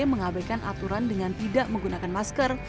mengabaikan aturan dengan tidak menggunakan masker